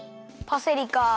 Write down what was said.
パセリか。